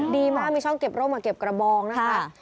ดีมากมีช่องเก็บร่มมาเก็บกระบองนะคะ